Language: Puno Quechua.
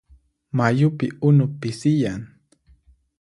Mayupi unu pisiyan.